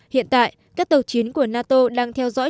hiện tại các tàu chiến của nato đang theo dõi